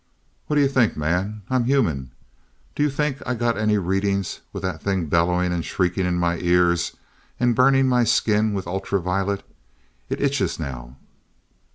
"What do you think, man? I'm human. Do you think I got any readings with that thing bellowing and shrieking in my ears, and burning my skin with ultra violet? It itches now."